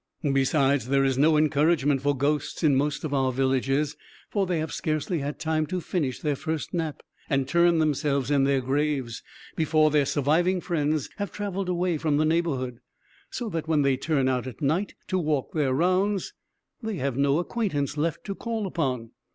Besides, there is no encouragement for ghosts in most of our villages, for they have scarcely had time to finish their first nap, and turn themselves in their graves, before their surviving friends have traveled away from the neighborhood: so that when they turn out at night to walk their rounds, they have no acquaintance left to call upon.